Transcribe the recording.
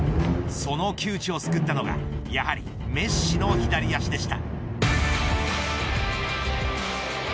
その窮地を救ったのがやはりメッシの左足でした。